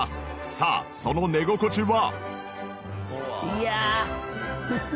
さあその寝心地は。